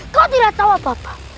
kau tidak tahu apa apa